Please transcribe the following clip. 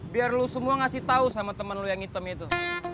biar lo semua ngasih tau sama temen lo yang hitam itu